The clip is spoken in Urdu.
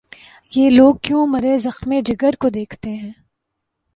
یہ لوگ کیوں مرے زخمِ جگر کو دیکھتے ہیں